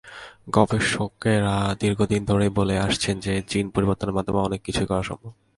গবেষকেরা দীর্ঘদিন ধরেই বলে আসছেন যে, জিন পরিবর্তনের মাধ্যমে অনেক কিছুই করা সম্ভব।